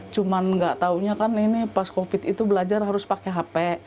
cuma nggak taunya kan ini pas covid itu belajar harus pakai hp